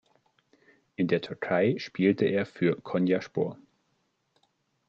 In der Türkei spielte er für "Konyaspor".